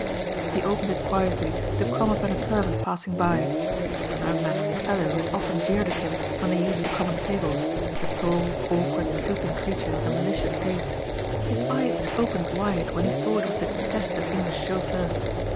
He opened it quietly to come upon a servant passing by. It was an unmannerly fellow who had often jeered at him when they used the common table, a tall, awkward, stooping creature with a malicious face. His eyes opened wide when he saw it was the detested English chauffeur.